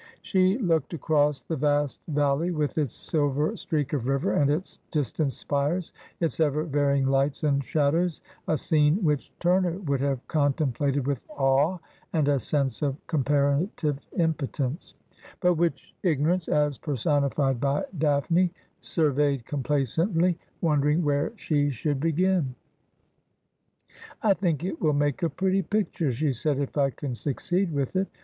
She looked across the vast valley, with its silver streak of river and its dis tant spires, its ever varying lights and shadows — a scene which Turner would have contemplated with awe and a sense of com parative impotence ; but which ignorance, as personified by Daphne, surveyed complacently, wondering where she should begin. ' I think it will make a pretty picture,' she said, ' if I can succeed with it.'